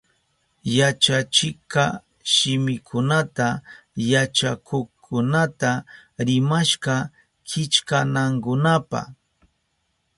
Yachachikka shimikunata yachakukkunata rimashka killkanankunapa.